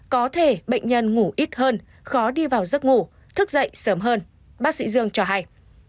có thể bệnh nhân ngủ ít hơn khó đi vào giấc ngủ thức dậy sớm hơn bác sĩ dương cho hay